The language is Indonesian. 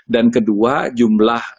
dan kedua jumlah